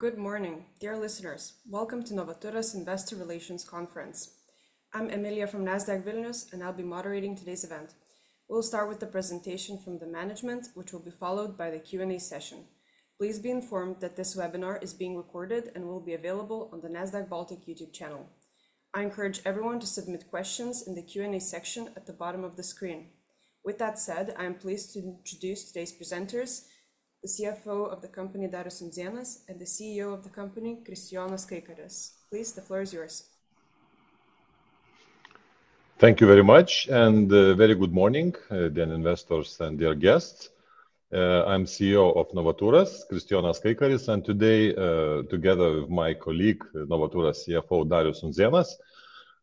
Good morning, dear listeners. Welcome to Novaturas Investor Relations Conference. I'm Emilia from Nasdaq Vilnius, and I'll be moderating today's event. We'll start with the presentation from the management, which will be followed by the Q&A session. Please be informed that this webinar is being recorded and will be available on the Nasdaq Baltic YouTube channel. I encourage everyone to submit questions in the Q&A section at the bottom of the screen. With that said, I am pleased to introduce today's presenters: the CFO of the company, Darius Undzėnas, and the CEO of the company, Kristijonas Kaikaris. Please, the floor is yours. Thank you very much, and very good morning, dear investors and dear guests. I'm CEO of Novaturas, Kristijonas Kaikaris, and today, together with my colleague, Novaturas CFO, Darius Undzėnas,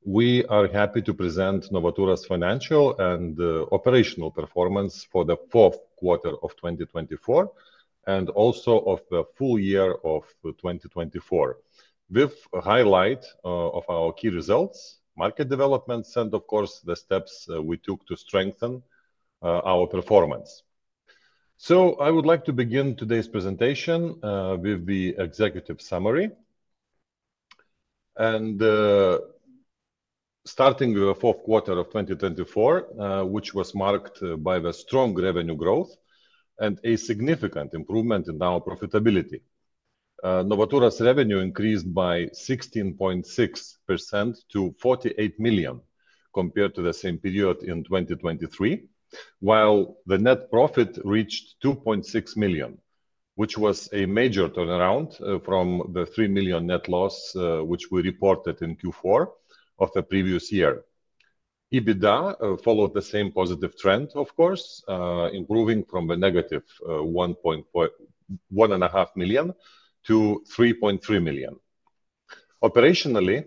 we are happy to present Novaturas' financial and operational performance for the fourth quarter of 2024 and also of the full year of 2024, with a highlight of our key results, market developments, and, of course, the steps we took to strengthen our performance. I would like to begin today's presentation with the executive summary. Starting with the fourth quarter of 2024, which was marked by the strong revenue growth and a significant improvement in our profitability. Novaturas' revenue increased by 16.6% to 48 million compared to the same period in 2023, while the net profit reached 2.6 million, which was a major turnaround from the 3 million net loss which we reported in Q4 of the previous year. EBITDA followed the same positive trend, of course, improving from a negative 1.5 million to 3.3 million. Operationally,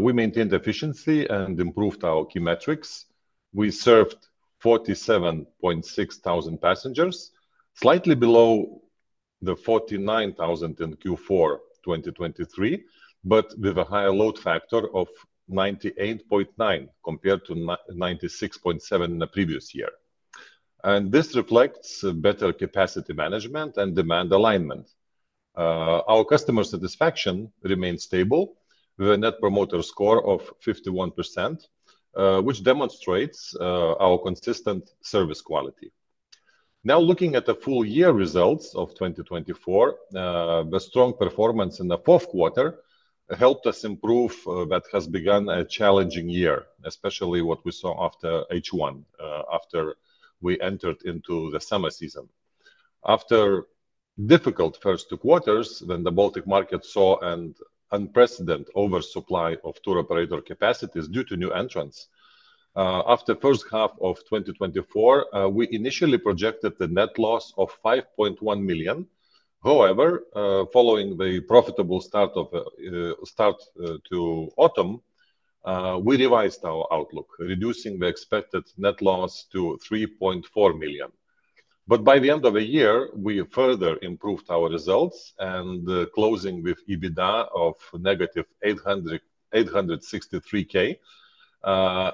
we maintained efficiency and improved our key metrics. We served 47,600 passengers, slightly below the 49,000 in Q4 2023, but with a higher load factor of 98.9% compared to 96.7% in the previous year. This reflects better capacity management and demand alignment. Our customer satisfaction remained stable with a Net Promoter Score of 51%, which demonstrates our consistent service quality. Now, looking at the full year results of 2024, the strong performance in the fourth quarter helped us improve what has begun a challenging year, especially what we saw after H1, after we entered into the summer season. After difficult first two quarters, when the Baltic market saw an unprecedented oversupply of tour operator capacities due to new entrants, after the first half of 2024, we initially projected a net loss of 5.1 million. However, following the profitable start to autumn, we revised our outlook, reducing the expected net loss to 3.4 million. By the end of the year, we further improved our results and closed with EBITDA of negative 863,000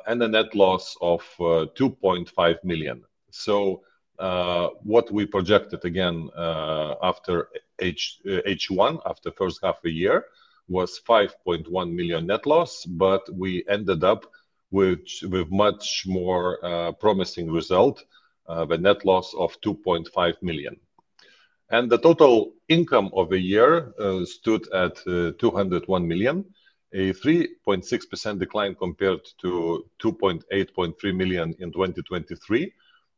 and a net loss of 2.5 million. What we projected again after H1, after the first half of the year, was 5.1 million net loss, but we ended up with much more promising results, with a net loss of 2.5 million. The total income of the year stood at 201 million, a 3.6% decline compared to 208.3 million in 2023,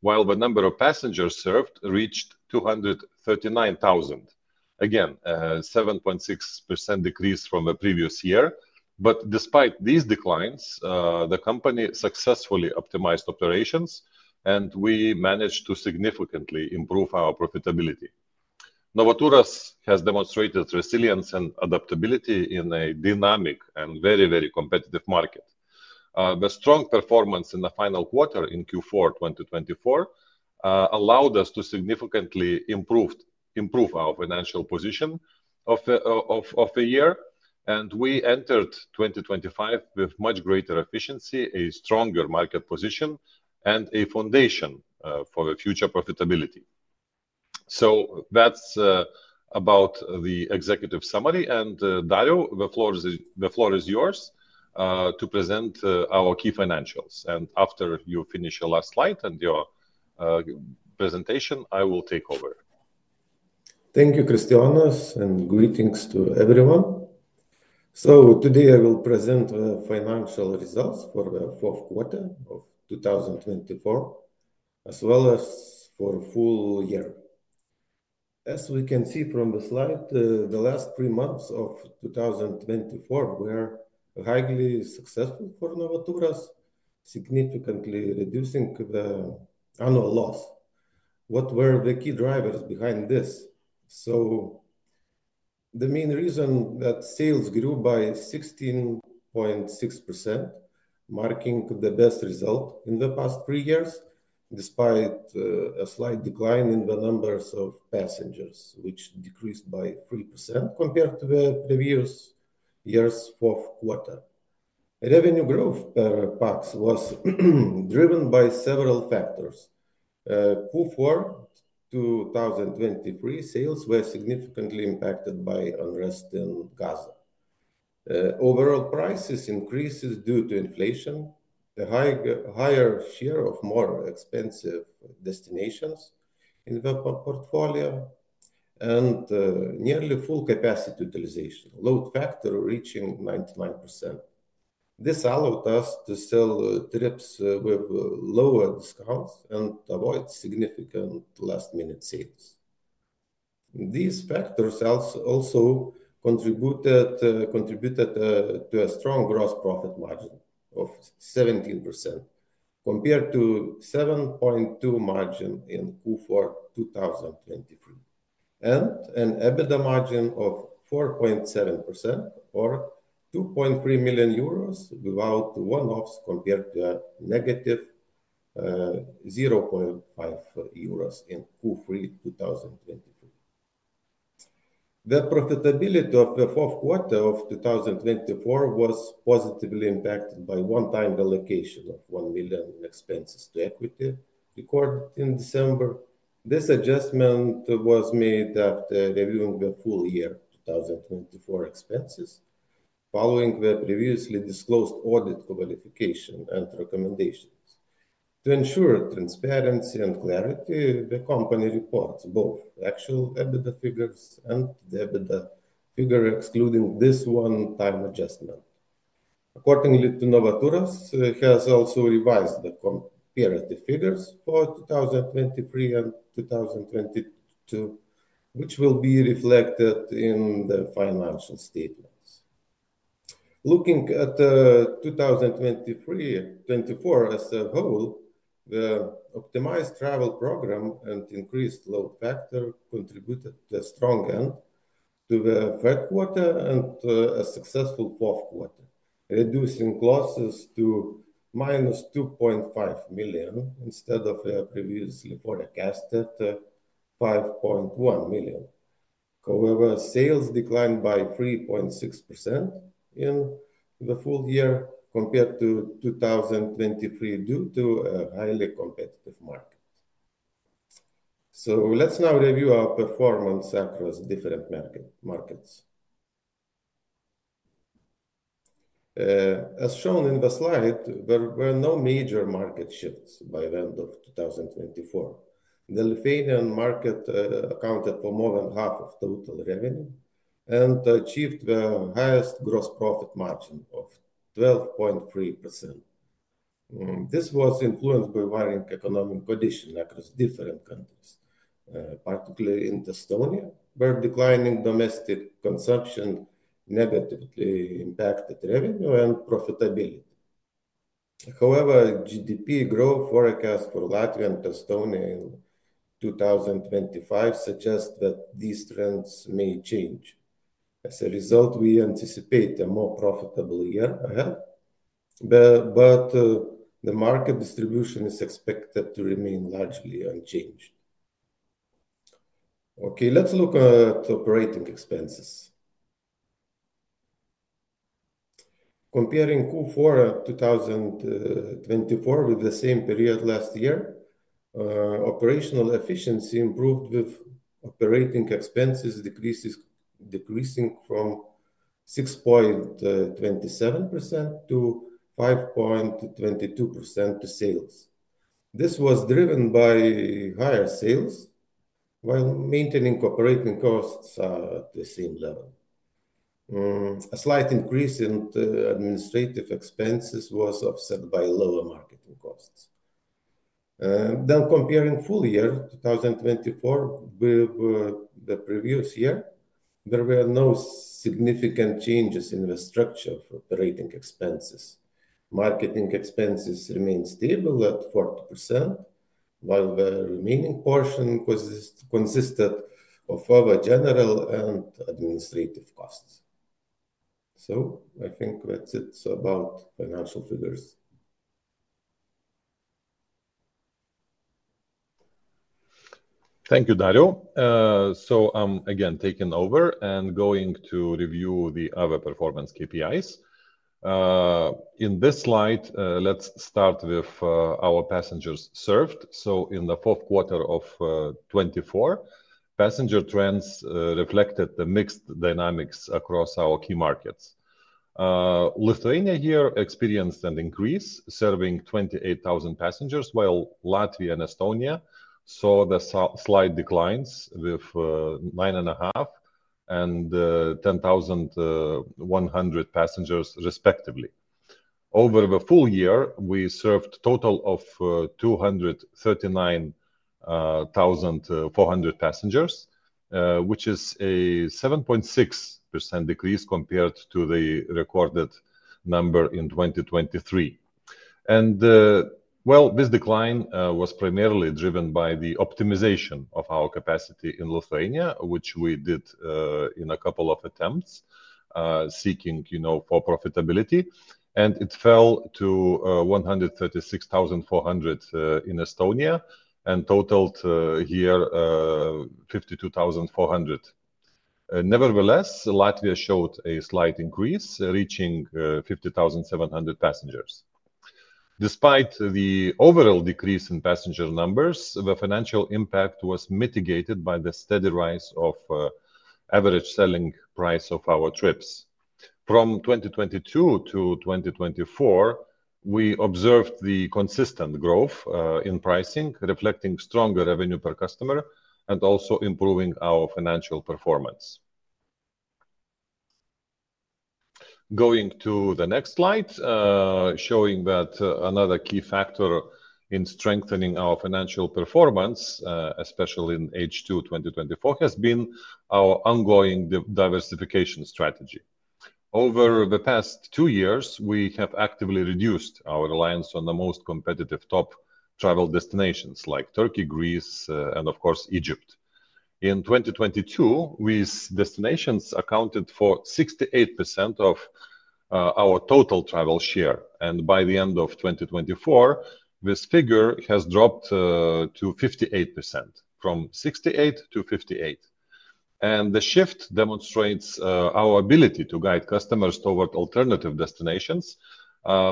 while the number of passengers served reached 239,000. Again, a 7.6% decrease from the previous year. Despite these declines, the company successfully optimized operations, and we managed to significantly improve our profitability. Novaturas has demonstrated resilience and adaptability in a dynamic and very, very competitive market. The strong performance in the final quarter in Q4 2024 allowed us to significantly improve our financial position of the year, and we entered 2025 with much greater efficiency, a stronger market position, and a foundation for future profitability. That is about the executive summary. Darius, the floor is yours to present our key financials. After you finish your last slide and your presentation, I will take over. Thank you, Kristijonas, and greetings to everyone. Today I will present the financial results for the fourth quarter of 2024, as well as for the full year. As we can see from the slide, the last three months of 2024 were highly successful for Novaturas, significantly reducing the annual loss. What were the key drivers behind this? The main reason is that sales grew by 16.6%, marking the best result in the past three years, despite a slight decline in the numbers of passengers, which decreased by 3% compared to the previous year's fourth quarter. Revenue growth per pax was driven by several factors. Q4 2023 sales were significantly impacted by unrest in Gaza. Overall prices increased due to inflation, a higher share of more expensive destinations in the portfolio, and nearly full capacity utilization, a load factor reaching 99%. This allowed us to sell trips with lower discounts and avoid significant last-minute sales. These factors also contributed to a strong gross profit margin of 17% compared to a 7.2% margin in Q4 2023, and an EBITDA margin of 4.7%, or 2.3 million euros without one-offs compared to a negative 0.5% in Q3 2023. The profitability of the fourth quarter of 2024 was positively impacted by one-time allocation of 1 million in expenses to equity recorded in December. This adjustment was made after reviewing the full year 2024 expenses, following the previously disclosed audit qualification and recommendations. To ensure transparency and clarity, the company reports both actual EBITDA figures and the EBITDA figure excluding this one-time adjustment. According to Novaturas, it has also revised the comparative figures for 2023 and 2022, which will be reflected in the financial statements. Looking at 2023-2024 as a whole, the optimized travel program and increased load factor contributed to a strong end to the third quarter and a successful fourth quarter, reducing losses to 2.5 million instead of the previously forecasted 5.1 million. However, sales declined by 3.6% in the full year compared to 2023 due to a highly competitive market. Let's now review our performance across different markets. As shown in the slide, there were no major market shifts by the end of 2024. The Lithuanian market accounted for more than half of total revenue and achieved the highest gross profit margin of 12.3%. This was influenced by varying economic conditions across different countries, particularly in Estonia, where declining domestic consumption negatively impacted revenue and profitability. However, GDP growth forecasts for Latvia and Estonia in 2025 suggest that these trends may change. As a result, we anticipate a more profitable year ahead, but the market distribution is expected to remain largely unchanged. Okay, let's look at operating expenses. Comparing Q4 2024 with the same period last year, operational efficiency improved with operating expenses decreasing from 6.27% to 5.22% to sales. This was driven by higher sales, while maintaining operating costs at the same level. A slight increase in administrative expenses was offset by lower marketing costs. Comparing full year 2024 with the previous year, there were no significant changes in the structure of operating expenses. Marketing expenses remained stable at 40%, while the remaining portion consisted of other general and administrative costs. I think that's it about financial figures. Thank you, Darius. I am again taking over and going to review the other performance KPIs. In this slide, let's start with our passengers served. In the fourth quarter of 2024, passenger trends reflected the mixed dynamics across our key markets. Lithuania here experienced an increase, serving 28,000 passengers, while Latvia and Estonia saw slight declines with 9,500 and 10,100 passengers, respectively. Over the full year, we served a total of 239,400 passengers, which is a 7.6% decrease compared to the recorded number in 2023. This decline was primarily driven by the optimization of our capacity in Lithuania, which we did in a couple of attempts seeking for profitability. It fell to 136,400 in Estonia and totaled here 52,400. Nevertheless, Latvia showed a slight increase, reaching 50,700 passengers. Despite the overall decrease in passenger numbers, the financial impact was mitigated by the steady rise of the average selling price of our trips. From 2022 to 2024, we observed the consistent growth in pricing, reflecting stronger revenue per customer and also improving our financial performance. Going to the next slide, showing that another key factor in strengthening our financial performance, especially in H2 2024, has been our ongoing diversification strategy. Over the past two years, we have actively reduced our reliance on the most competitive top travel destinations like Turkey, Greece, and of course, Egypt. In 2022, these destinations accounted for 68% of our total travel share. By the end of 2024, this figure has dropped to 58%, from 68 to 58. The shift demonstrates our ability to guide customers toward alternative destinations,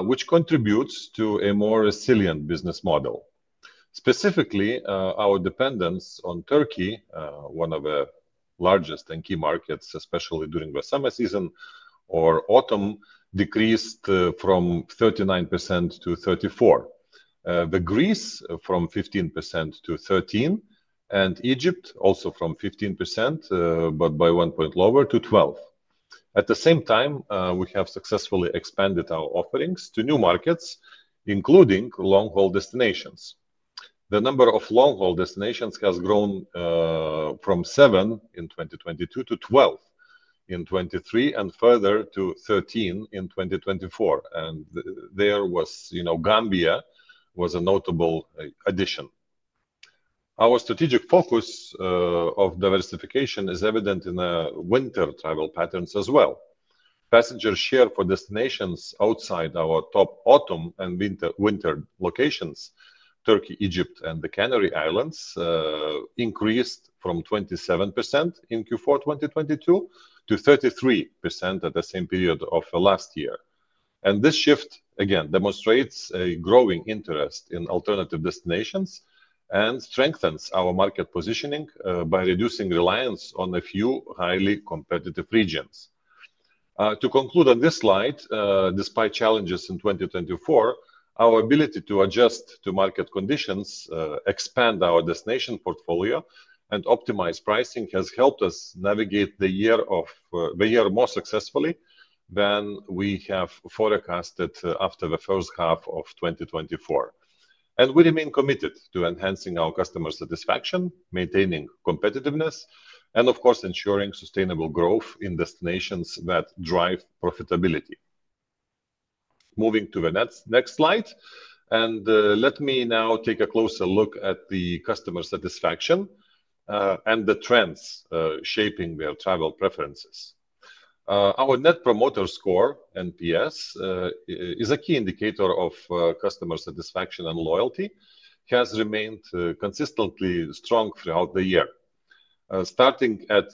which contributes to a more resilient business model. Specifically, our dependence on Turkey, one of the largest and key markets, especially during the summer season or autumn, decreased from 39% to 34%. Greece, from 15% to 13%, and Egypt, also from 15%, but by one point lower, to 12%. At the same time, we have successfully expanded our offerings to new markets, including long-haul destinations. The number of long-haul destinations has grown from seven in 2022 to 12 in 2023 and further to 13 in 2024. Gambia was a notable addition. Our strategic focus of diversification is evident in the winter travel patterns as well. Passenger share for destinations outside our top autumn and winter locations, Turkey, Egypt, and the Canary Islands, increased from 27% in Q4 2022 to 33% at the same period of last year. This shift, again, demonstrates a growing interest in alternative destinations and strengthens our market positioning by reducing reliance on a few highly competitive regions. To conclude on this slide, despite challenges in 2024, our ability to adjust to market conditions, expand our destination portfolio, and optimize pricing has helped us navigate the year more successfully than we have forecasted after the first half of 2024. We remain committed to enhancing our customer satisfaction, maintaining competitiveness, and of course, ensuring sustainable growth in destinations that drive profitability. Moving to the next slide, let me now take a closer look at the customer satisfaction and the trends shaping their travel preferences. Our Net Promoter Score, NPS, is a key indicator of customer satisfaction and loyalty, has remained consistently strong throughout the year. Starting at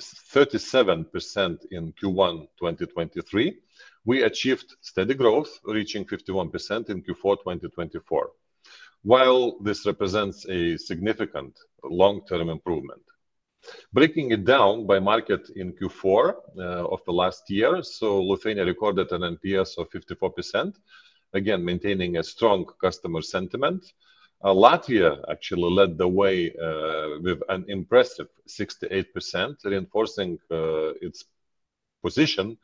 37% in Q1 2023, we achieved steady growth, reaching 51% in Q4 2024. While this represents a significant long-term improvement, breaking it down by market in Q4 of the last year, Lithuania recorded an NPS of 54%, again, maintaining a strong customer sentiment. Latvia actually led the way with an impressive 68%, reinforcing its position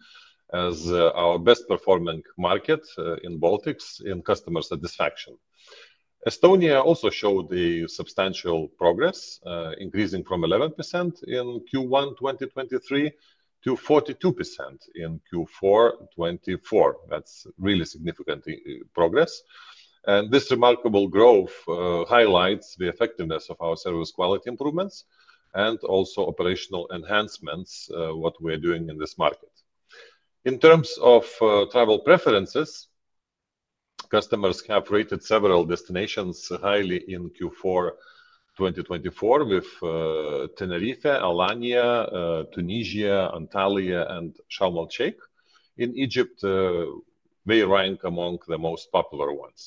as our best-performing market in Baltics in customer satisfaction. Estonia also showed substantial progress, increasing from 11% in Q1 2023 to 42% in Q4 2024. That's really significant progress. This remarkable growth highlights the effectiveness of our service quality improvements and also operational enhancements, what we are doing in this market. In terms of travel preferences, customers have rated several destinations highly in Q4 2024 with Tenerife, Alanya, Tunisia, Antalya, and Sharm el-Sheikh. In Egypt, they rank among the most popular ones.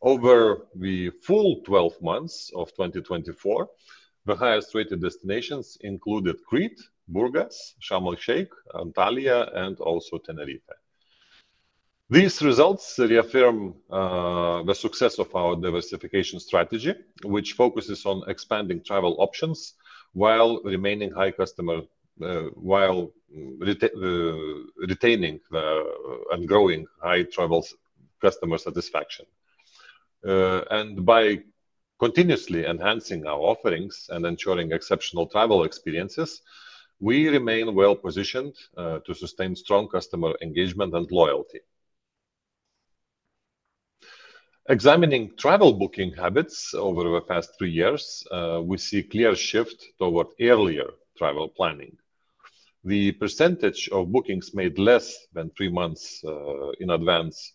Over the full 12 months of 2024, the highest-rated destinations included Crete, Burgas, Sharm el-Sheikh, Antalya, and also Tenerife. These results reaffirm the success of our diversification strategy, which focuses on expanding travel options while retaining and growing high travel customer satisfaction. By continuously enhancing our offerings and ensuring exceptional travel experiences, we remain well-positioned to sustain strong customer engagement and loyalty. Examining travel booking habits over the past three years, we see a clear shift toward earlier travel planning. The percentage of bookings made less than three months in advance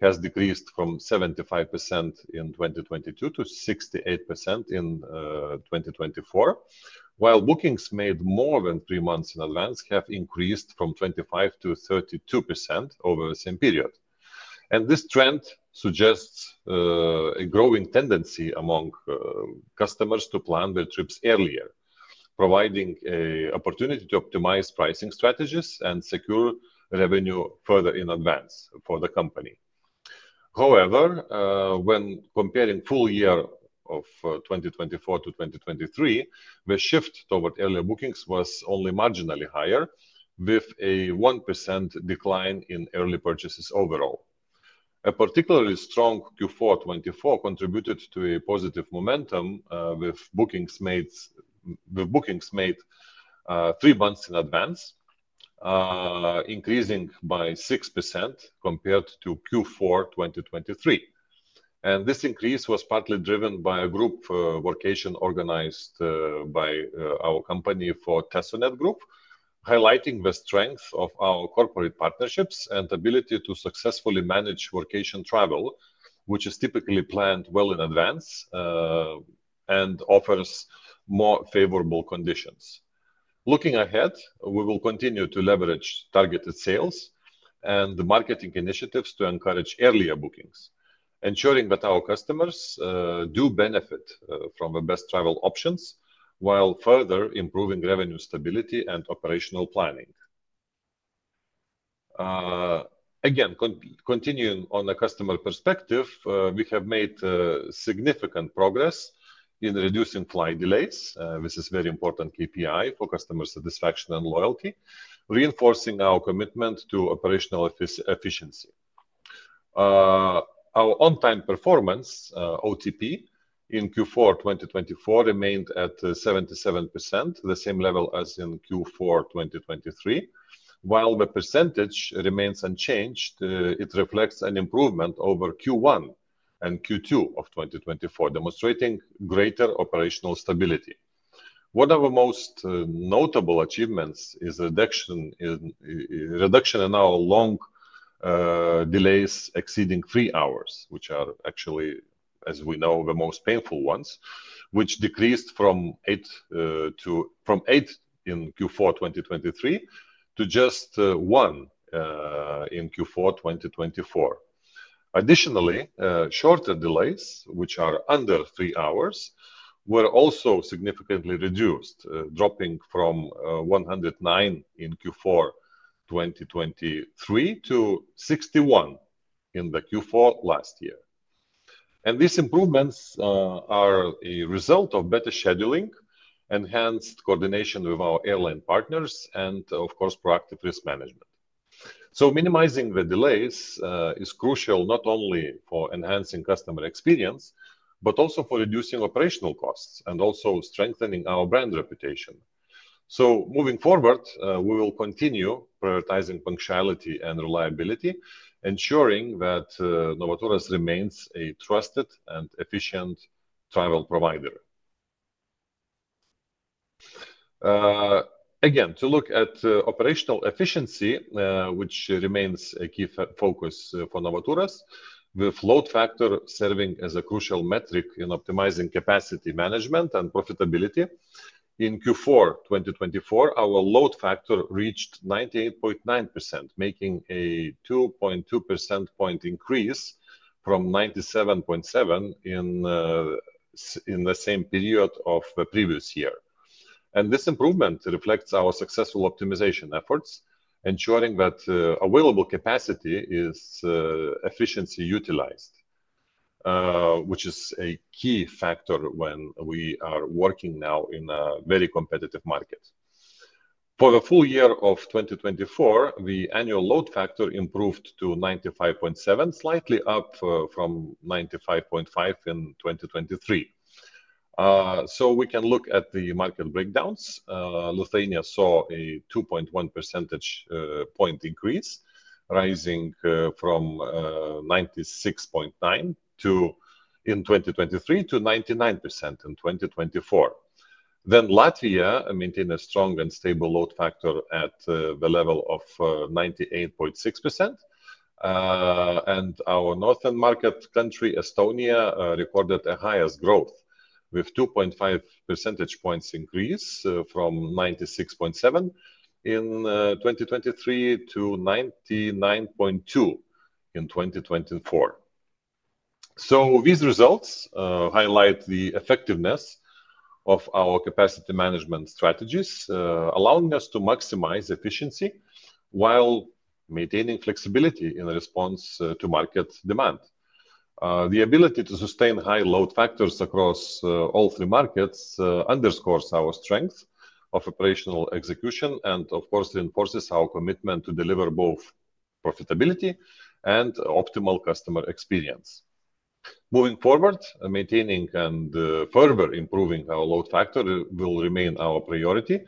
has decreased from 75% in 2022 to 68% in 2024, while bookings made more than three months in advance have increased from 25% to 32% over the same period. This trend suggests a growing tendency among customers to plan their trips earlier, providing an opportunity to optimize pricing strategies and secure revenue further in advance for the company. However, when comparing the full year of 2024 to 2023, the shift toward earlier bookings was only marginally higher, with a 1% decline in early purchases overall. A particularly strong Q4 2024 contributed to positive momentum with bookings made three months in advance, increasing by 6% compared to Q4 2023. This increase was partly driven by a group workation organized by our company for Tesonet Group, highlighting the strength of our corporate partnerships and ability to successfully manage workation travel, which is typically planned well in advance and offers more favorable conditions. Looking ahead, we will continue to leverage targeted sales and marketing initiatives to encourage earlier bookings, ensuring that our customers do benefit from the best travel options, while further improving revenue stability and operational planning. Again, continuing on the customer perspective, we have made significant progress in reducing flight delays. This is a very important KPI for customer satisfaction and loyalty, reinforcing our commitment to operational efficiency. Our on-time performance, OTP, in Q4 2024 remained at 77%, the same level as in Q4 2023. While the percentage remains unchanged, it reflects an improvement over Q1 and Q2 of 2024, demonstrating greater operational stability. One of the most notable achievements is reduction in our long delays exceeding three hours, which are actually, as we know, the most painful ones, which decreased from eight in Q4 2023 to just one in Q4 2024. Additionally, shorter delays, which are under three hours, were also significantly reduced, dropping from 109 in Q4 2023 to 61 in Q4 last year. These improvements are a result of better scheduling, enhanced coordination with our airline partners, and of course, proactive risk management. Minimizing the delays is crucial not only for enhancing customer experience, but also for reducing operational costs and strengthening our brand reputation. Moving forward, we will continue prioritizing punctuality and reliability, ensuring that Novaturas remains a trusted and efficient travel provider. Again, to look at operational efficiency, which remains a key focus for Novaturas, with load factor serving as a crucial metric in optimizing capacity management and profitability. In Q4 2024, our load factor reached 98.9%, making a 2.2 percentage point increase from 97.7% in the same period of the previous year. This improvement reflects our successful optimization efforts, ensuring that available capacity is efficiently utilized, which is a key factor when we are working now in a very competitive market. For the full year of 2024, the annual load factor improved to 95.7%, slightly up from 95.5% in 2023. We can look at the market breakdowns. Lithuania saw a 2.1 percentage point increase, rising from 96.9% in 2023 to 99% in 2024. Latvia maintained a strong and stable load factor at the level of 98.6%. Our northern market country, Estonia, recorded the highest growth, with a 2.5 percentage points increase from 96.7% in 2023 to 99.2% in 2024. These results highlight the effectiveness of our capacity management strategies, allowing us to maximize efficiency while maintaining flexibility in response to market demand. The ability to sustain high load factors across all three markets underscores our strength of operational execution and, of course, reinforces our commitment to deliver both profitability and optimal customer experience. Moving forward, maintaining and further improving our load factor will remain our priority,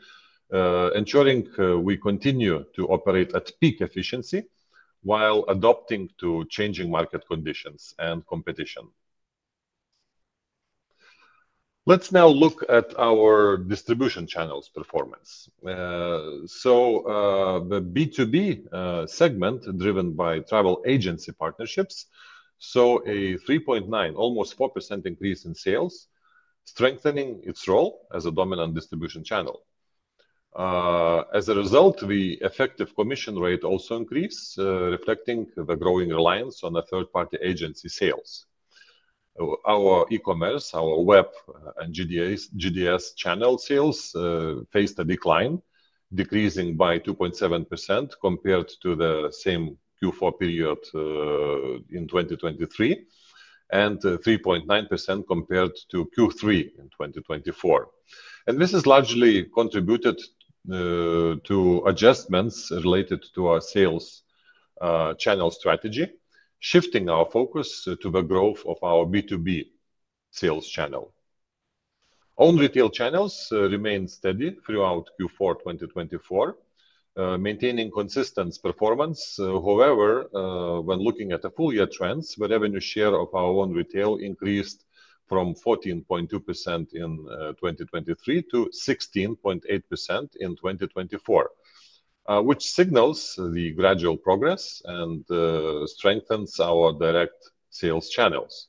ensuring we continue to operate at peak efficiency while adapting to changing market conditions and competition. Let's now look at our distribution channels' performance. The B2B segment, driven by travel agency partnerships, saw a 3.9%, almost 4% increase in sales, strengthening its role as a dominant distribution channel. As a result, the effective commission rate also increased, reflecting the growing reliance on third-party agency sales. Our e-commerce, our web, and GDS channel sales faced a decline, decreasing by 2.7% compared to the same Q4 period in 2023 and 3.9% compared to Q3 in 2024. This has largely contributed to adjustments related to our sales channel strategy, shifting our focus to the growth of our B2B sales channel. Own retail channels remained steady throughout Q4 2024, maintaining consistent performance. However, when looking at the full year trends, the revenue share of our own retail increased from 14.2% in 2023 to 16.8% in 2024, which signals the gradual progress and strengthens our direct sales channels.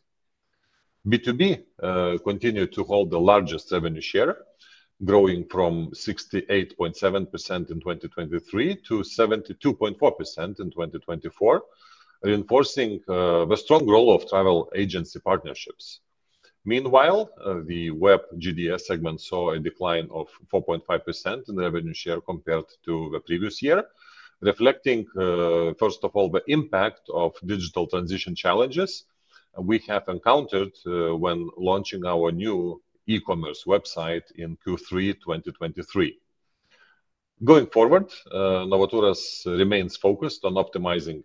B2B continued to hold the largest revenue share, growing from 68.7% in 2023 to 72.4% in 2024, reinforcing the strong role of travel agency partnerships. Meanwhile, the web GDS segment saw a decline of 4.5% in the revenue share compared to the previous year, reflecting, first of all, the impact of digital transition challenges we have encountered when launching our new e-commerce website in Q3 2023. Going forward, Novaturas remains focused on optimizing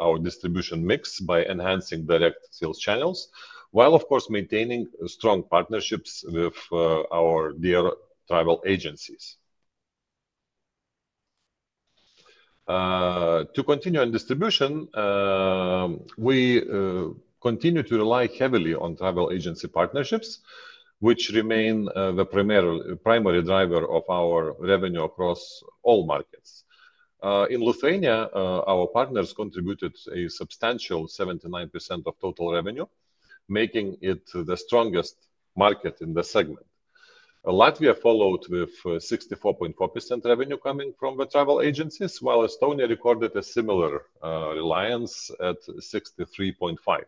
our distribution mix by enhancing direct sales channels, while, of course, maintaining strong partnerships with our dear travel agencies. To continue in distribution, we continue to rely heavily on travel agency partnerships, which remain the primary driver of our revenue across all markets. In Lithuania, our partners contributed a substantial 79% of total revenue, making it the strongest market in the segment. Latvia followed with 64.4% revenue coming from the travel agencies, while Estonia recorded a similar reliance at 63.5%.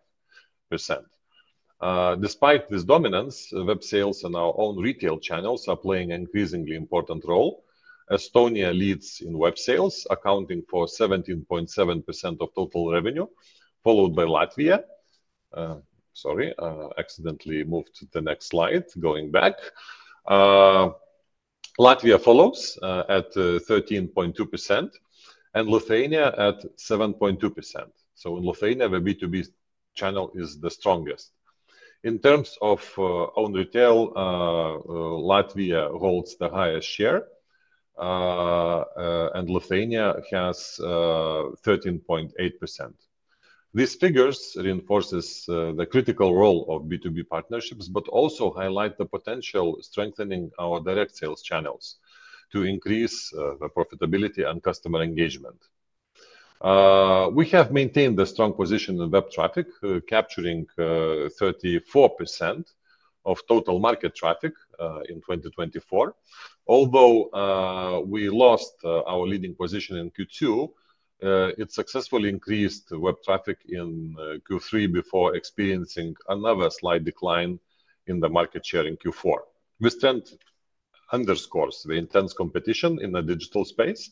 Despite this dominance, web sales and our own retail channels are playing an increasingly important role. Estonia leads in web sales, accounting for 17.7% of total revenue, followed by Latvia. Sorry, I accidentally moved to the next slide. Going back, Latvia follows at 13.2% and Lithuania at 7.2%. In Lithuania, the B2B channel is the strongest. In terms of own retail, Latvia holds the highest share, and Lithuania has 13.8%. These figures reinforce the critical role of B2B partnerships, but also highlight the potential strengthening of our direct sales channels to increase the profitability and customer engagement. We have maintained a strong position in web traffic, capturing 34% of total market traffic in 2024. Although we lost our leading position in Q2, it successfully increased web traffic in Q3 before experiencing another slight decline in the market share in Q4. This trend underscores the intense competition in the digital space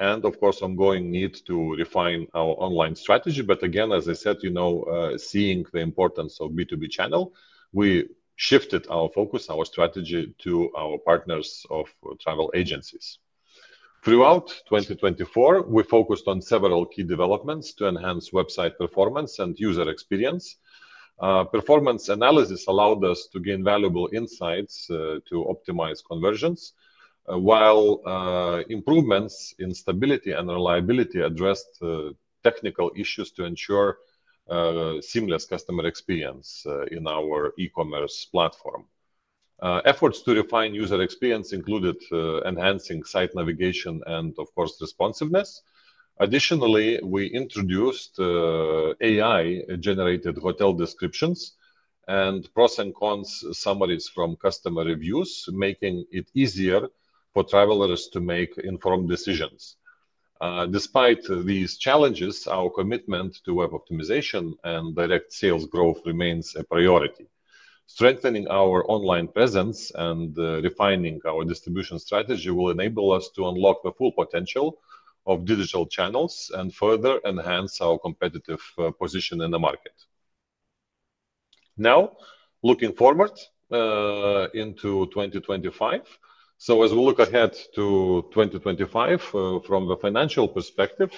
and, of course, the ongoing need to refine our online strategy. Again, as I said, seeing the importance of the B2B channel, we shifted our focus, our strategy, to our partners of travel agencies. Throughout 2024, we focused on several key developments to enhance website performance and user experience. Performance analysis allowed us to gain valuable insights to optimize conversions, while improvements in stability and reliability addressed technical issues to ensure a seamless customer experience in our e-commerce platform. Efforts to refine user experience included enhancing site navigation and, of course, responsiveness. Additionally, we introduced AI-generated hotel descriptions and pros and cons summaries from customer reviews, making it easier for travelers to make informed decisions. Despite these challenges, our commitment to web optimization and direct sales growth remains a priority. Strengthening our online presence and refining our distribution strategy will enable us to unlock the full potential of digital channels and further enhance our competitive position in the market. Now, looking forward into 2025, so as we look ahead to 2025, from the financial perspective,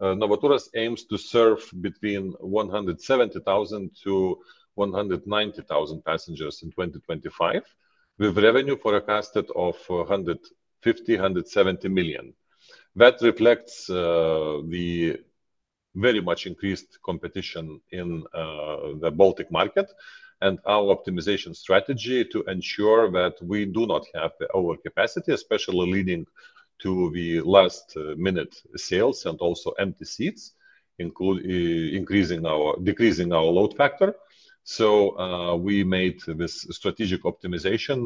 Novaturas aims to serve between 170,000-190,000 passengers in 2025, with revenue forecasted of 150,000,000-170,000,000. That reflects the very much increased competition in the Baltic market and our optimization strategy to ensure that we do not have overcapacity, especially leading to the last-minute sales and also empty seats, increasing our load factor. We made this strategic optimization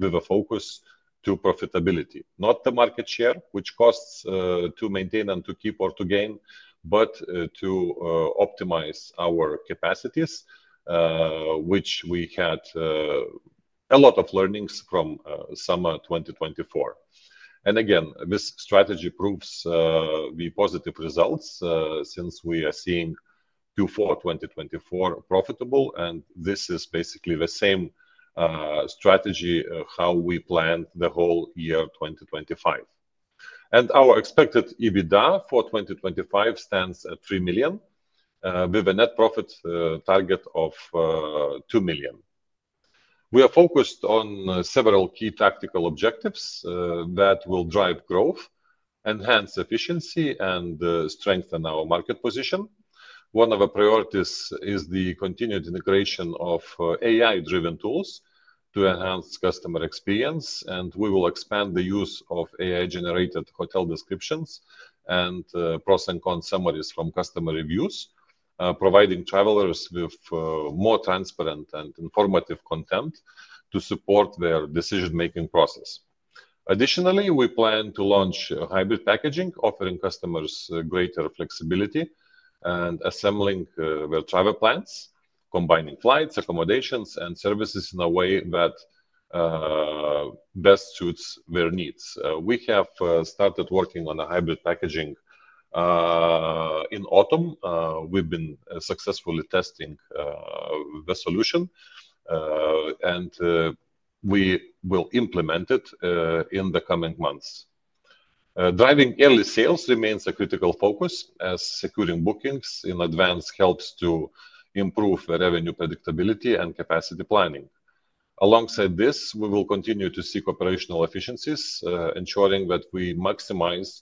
with a focus on profitability, not the market share, which costs to maintain and to keep or to gain, but to optimize our capacities, which we had a lot of learnings from summer 2024. This strategy proves the positive results since we are seeing Q4 2024 profitable, and this is basically the same strategy how we planned the whole year 2025. Our expected EBITDA for 2025 stands at 3 million, with a net profit target of 2 million. We are focused on several key tactical objectives that will drive growth, enhance efficiency, and strengthen our market position. One of the priorities is the continued integration of AI-driven tools to enhance customer experience, and we will expand the use of AI-generated hotel descriptions and pros and cons summaries from customer reviews, providing travelers with more transparent and informative content to support their decision-making process. Additionally, we plan to launch hybrid packaging, offering customers greater flexibility and assembling their travel plans, combining flights, accommodations, and services in a way that best suits their needs. We have started working on a hybrid packaging in autumn. We've been successfully testing the solution, and we will implement it in the coming months. Driving early sales remains a critical focus, as securing bookings in advance helps to improve revenue predictability and capacity planning. Alongside this, we will continue to seek operational efficiencies, ensuring that we maximize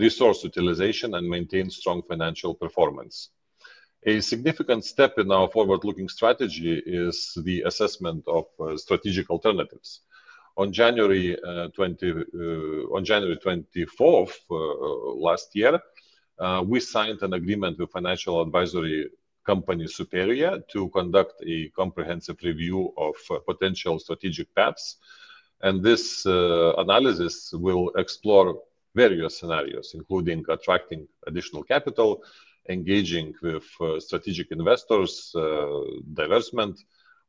resource utilization and maintain strong financial performance. A significant step in our forward-looking strategy is the assessment of strategic alternatives. On January 24, last year, we signed an agreement with financial advisory company Superia to conduct a comprehensive review of potential strategic paths. This analysis will explore various scenarios, including attracting additional capital, engaging with strategic investors, divestment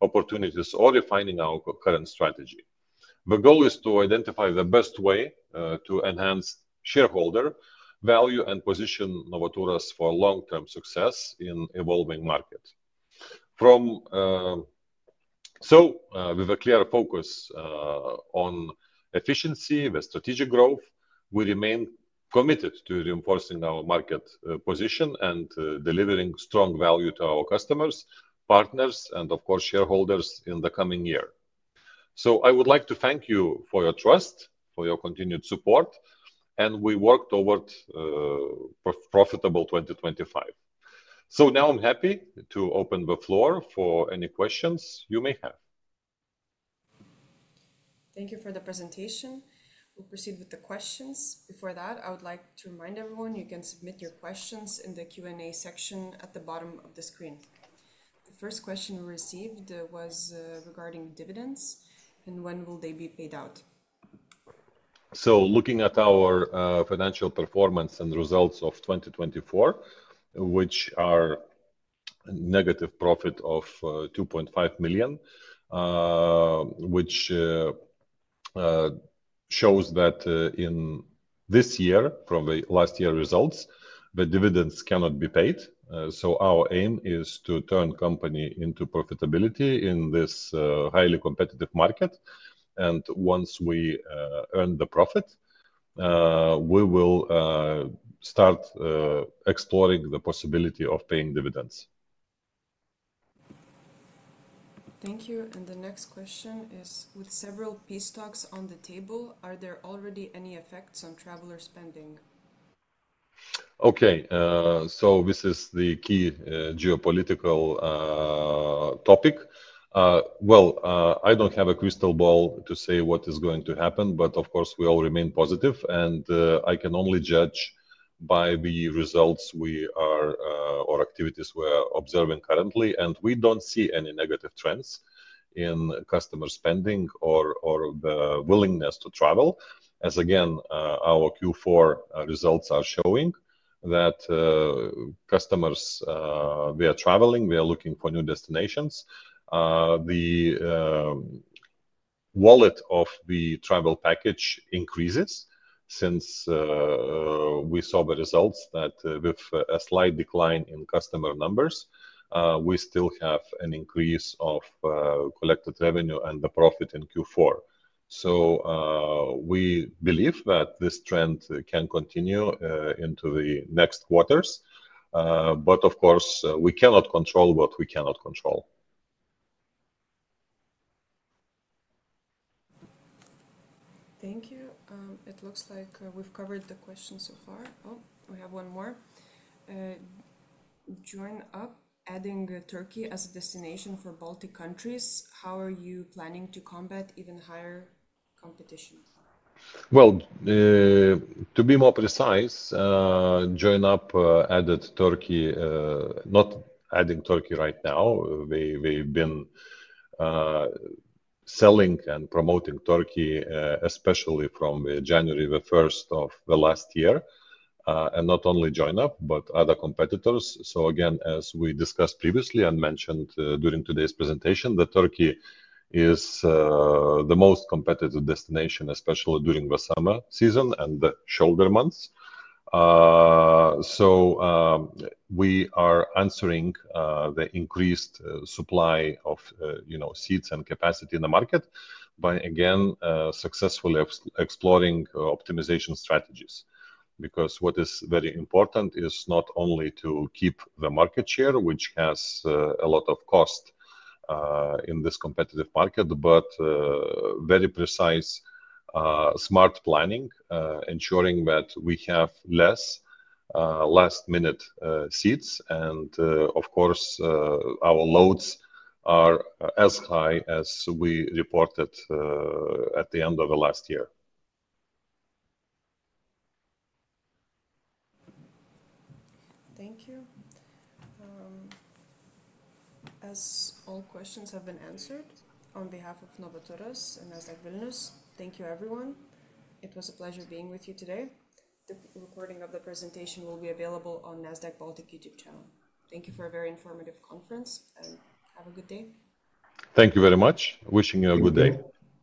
opportunities, or refining our current strategy. The goal is to identify the best way to enhance shareholder value and position Novaturas for long-term success in an evolving market. With a clear focus on efficiency with strategic growth, we remain committed to reinforcing our market position and delivering strong value to our customers, partners, and, of course, shareholders in the coming year. I would like to thank you for your trust, for your continued support, and we work toward a profitable 2025. Now I'm happy to open the floor for any questions you may have. Thank you for the presentation. We'll proceed with the questions. Before that, I would like to remind everyone you can submit your questions in the Q&A section at the bottom of the screen. The first question we received was regarding dividends and when will they be paid out. Looking at our financial performance and results of 2024, which are a negative profit of 2.5 million, this shows that in this year, from the last year's results, the dividends cannot be paid. Our aim is to turn the company into profitability in this highly competitive market. Once we earn the profit, we will start exploring the possibility of paying dividends. Thank you. The next question is, with several peace talks on the table, are there already any effects on traveler spending? This is the key geopolitical topic. I don't have a crystal ball to say what is going to happen, but of course, we all remain positive, and I can only judge by the results we are or activities we are observing currently. We don't see any negative trends in customer spending or the willingness to travel, as again, our Q4 results are showing that customers, they are traveling, they are looking for new destinations. The wallet of the travel package increases since we saw the results that with a slight decline in customer numbers, we still have an increase of collected revenue and the profit in Q4. We believe that this trend can continue into the next quarters. Of course, we cannot control what we cannot control. Thank you. It looks like we've covered the questions so far. Oh, we have one more. Join Up adding Turkey as a destination for Baltic countries. How are you planning to combat even higher competition? To be more precise, Join Up added Turkey, not adding Turkey right now. We've been selling and promoting Turkey, especially from January 1 of the last year, and not only Join Up, but other competitors. As we discussed previously and mentioned during today's presentation, Turkey is the most competitive destination, especially during the summer season and the shoulder months. We are answering the increased supply of seats and capacity in the market by, again, successfully exploring optimization strategies. What is very important is not only to keep the market share, which has a lot of cost in this competitive market, but very precise, smart planning, ensuring that we have less last-minute seats. Of course, our loads are as high as we reported at the end of last year. Thank you. As all questions have been answered, on behalf of Novaturas and Nasdaq Vilnius, thank you, everyone. It was a pleasure being with you today. The recording of the presentation will be available on Nasdaq Baltic YouTube channel. Thank you for a very informative conference, and have a good day. Thank you very much. Wishing you a good day.